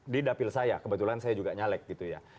di dapil saya kebetulan saya juga nyalek gitu ya